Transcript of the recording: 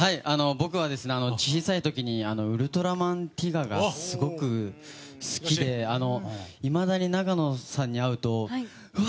僕は、小さい時に「ウルトラマンティガ」がすごく好きでいまだに長野さんに会うとうわ！